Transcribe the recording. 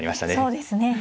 そうですね。